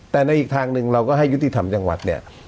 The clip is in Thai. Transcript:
แต่ในอีกทางหนึ่งเราก็ให้ยุติธรรมจังหวัดเนี่ย